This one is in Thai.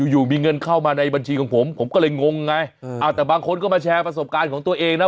อยู่มีเงินเข้ามาในบัญชีของผมผมก็เลยงงไงแต่บางคนก็มาแชร์ประสบการณ์ของตัวเองนะ